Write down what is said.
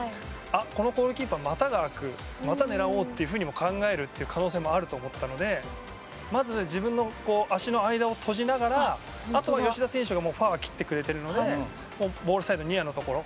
あっ、このゴールキーパー股が空く股狙おうというふうに考える可能性もあると思ったのでまず自分の足の間を閉じながらあとは吉田選手がファーは切ってくれているのでボールサイド、ニアのところ。